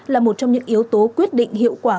là một trong những yếu tố quyết định hiệu quả